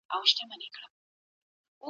مسعود، دوستم او نورو کابل کی د ګلونو امیلونه